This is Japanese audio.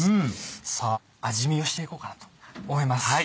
さぁ味見をしていこうかなと思います。